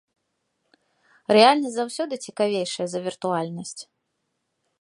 Рэальнасць заўсёды цікавейшая за віртуальнасць.